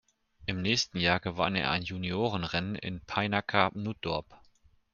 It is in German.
Im nächsten Jahr gewann er ein Juniorenrennen in Pijnacker-Nootdorp.